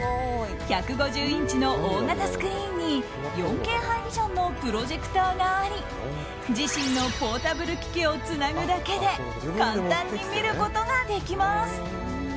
１５０インチの大型スクリーンに４Ｋハイビジョンのプロジェクターがあり自身のポータブル機器をつなぐだけで簡単に見ることができます。